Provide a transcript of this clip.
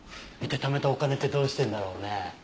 一体貯めたお金ってどうしてるんだろうね？